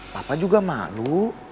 papa juga malu